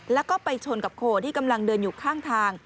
แล้วก็ไปชนกับโคที่กำลังเดินอยู่ข้างทาง